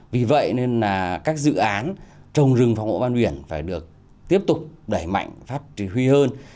vì vậy nên là các dự án trồng rừng phòng hộ ven biển phải được tiếp tục đẩy mạnh phát triển huy hơn